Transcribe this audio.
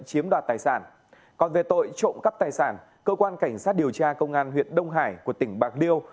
còn về tội trộm cắp tài sản cơ quan cảnh sát điều tra công an huyện đông hải của tỉnh bạc liêu